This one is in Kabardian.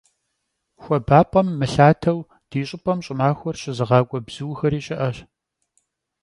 Xuabap'em mılhateu di ş'ıp'em ş'ımaxuer şızığak'ue bzuxeri şı'eş.